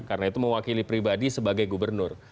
karena itu mewakili pribadi sebagai gubernur